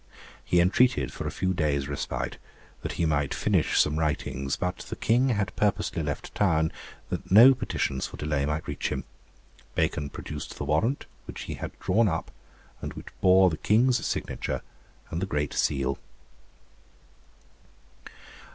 He entreated for a few days' respite, that he might finish some writings, but the King had purposely left town that no petitions for delay might reach him. Bacon produced the warrant, which he had drawn up, and which bore the King's signature and the Great Seal.